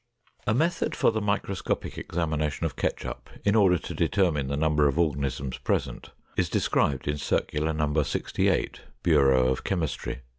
A method for the microscopic examination of ketchup in order to determine the number of organisms present is described in Circular No. 68, Bureau of Chemistry.